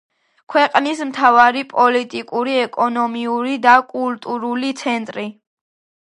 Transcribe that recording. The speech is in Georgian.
ქვეყნის მთავარი პოლიტიკური, ეკონომიკური და კულტურული ცენტრი.